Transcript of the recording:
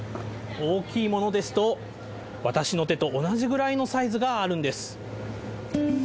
大きいものですと、私の手と同じぐらいのサイズがあるんです。